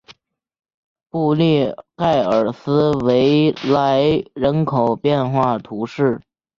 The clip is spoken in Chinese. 布利盖尔斯维莱人口变化图示